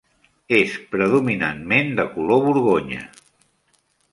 És predominantment de color borgonya.